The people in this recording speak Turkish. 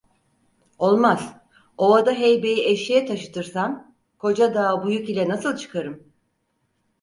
Olmaz! Ovada heybeyi eşeğe taşıtırsam, koca dağa bu yük ile nasıl çıkarım?